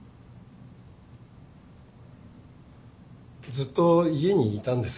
ずっと家にいたんですよ。